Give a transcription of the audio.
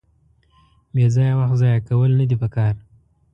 بېځایه وخت ځایه کول ندي پکار.